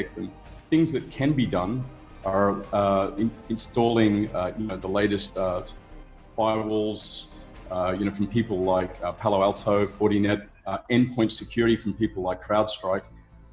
hal yang bisa dilakukan adalah menginstallkan firewall terbaru dari orang orang seperti palo alto fortinet dan keamanan akhir dari orang orang seperti crowdstrike